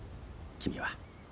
君は。